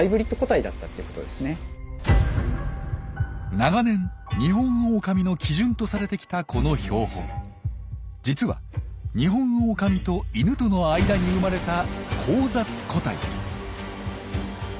長年ニホンオオカミの基準とされてきたこの標本実はニホンオオカミとイヌとの間に生まれた交雑個体。